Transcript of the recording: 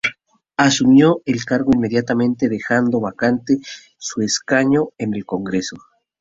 Asumió el cargo inmediatamente dejando vacante su escaño en el congreso.